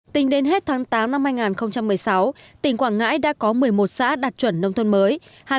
tính đến hết tháng tám năm hai nghìn một mươi sáu tỉnh quảng ngãi đã có một mươi một xã đạt chuẩn nông thôn mới